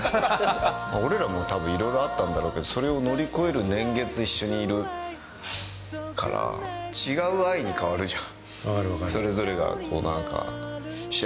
俺らもたぶん、いろいろあったんだろうけど、それを乗り越える年月一緒にいるから、違う愛に変わるじゃん。